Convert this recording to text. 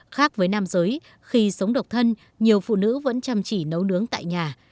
khác với nam giới khi sống độc thân nhiều phụ nữ vẫn chăm chỉ nấu nướng tại nhà